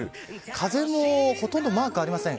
風もほとんど、マークありません。